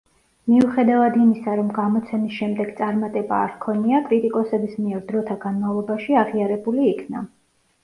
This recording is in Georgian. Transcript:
მიუხედავად იმისა, რომ გამოცემის შემდეგ წარმატება არ ჰქონია, კრიტიკოსების მიერ დროთა განმავლობაში აღიარებული იქნა.